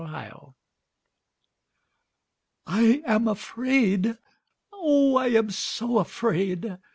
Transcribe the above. Fear I am afraid, oh I am so afraid!